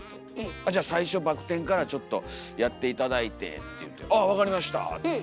「あっじゃ最初バク転からちょっとやって頂いて」って言うて「あ分かりました」って。